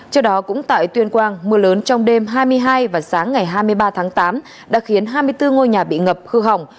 trước đó cũng tại tuyên quang mưa lớn trong đêm hai mươi hai và sáng ngày hai mươi ba tháng tám đã khiến hai mươi bốn ngôi nhà bị ngập hư hỏng